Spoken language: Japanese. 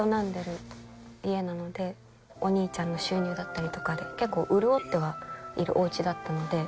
お兄ちゃんの収入だったりとかで結構潤ってはいるおうちだったので。